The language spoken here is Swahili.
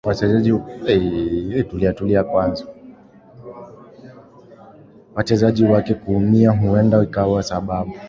wachezaji wake kuumia huenda ikawa sababu